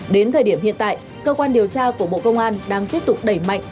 đến thời điểm hiện tại cơ quan điều tra của bộ công an đang tiếp tục đẩy mạnh